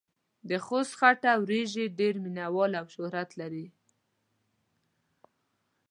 دخوست خټه وريژې ډېر مينه وال او شهرت لري.